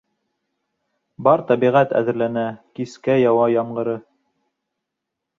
Бар тәбиғәт әҙерләнә Кискә яуа ямғыры.